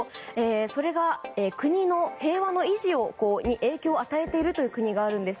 それが国の平和の維持に影響を与えているという国があるんです。